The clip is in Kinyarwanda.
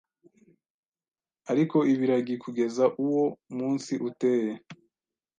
Ariko ibiragi kugeza uwo munsi uteye